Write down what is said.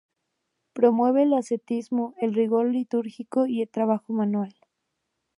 Promueve el ascetismo, el rigor litúrgico y el trabajo manual.